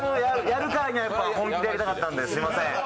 やるからには本気でやりたかったので、すいません。